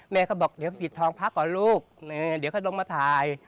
เขาบอกเดี๋ยวปิดทองพักก่อนลูกเดี๋ยวเขาลงมาถ่าย